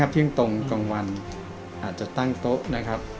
เที่ยงตรงกลางวันอาจจะตั้งโต๊ะนะครับ